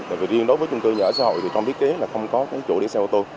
vì riêng đối với chung cư nhà ở xã hội thì trong biết kế là không có cái chỗ để xe ô tô